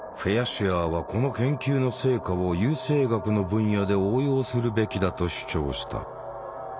シュアーはこの研究の成果を優生学の分野で応用するべきだと主張した。